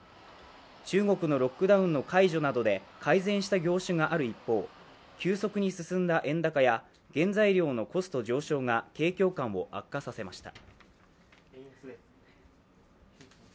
中国のロックダウンの解除などで改善した業種がある一方急速に進んで円高や原材料のコスト上昇が景況感を悪化させました。